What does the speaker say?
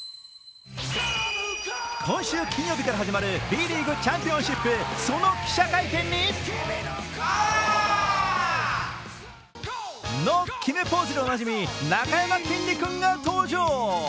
今週金曜日から始まるＢリーグ・チャンピオンシップその記者会見にの決めポーズでおなじみなかやまきんに君が登場。